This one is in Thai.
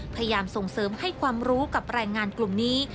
พยายามส่งเสริมให้ความรู้กับแรงงานกลุ่มนี้